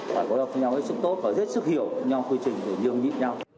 phải gối hợp với nhau với sức tốt và rất sức hiểu nhau quy trình để nhường nhịp nhau